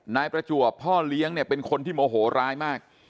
นายประจวบพ่อเลี้ยงเนี่ยเป็นคนที่โมโหร้ายมาก